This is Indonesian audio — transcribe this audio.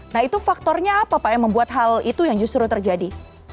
nah itu faktornya apa pak yang membuat hal itu yang justru terjadi